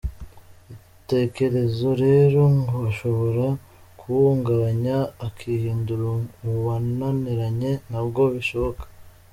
Utekereza rero ngo ashobora kuwuhungabanya akihindura uwananiranye ntabwo bishoboka.